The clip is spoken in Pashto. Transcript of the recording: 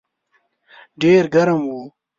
ډېر ګرم و.